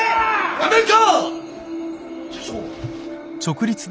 社長。